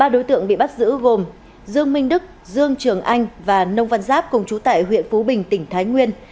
ba đối tượng bị bắt giữ gồm dương minh đức dương trường anh và nông văn giáp cùng chú tại huyện phú bình tỉnh thái nguyên